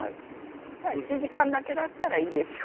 「１時間だけだったらいいですよ」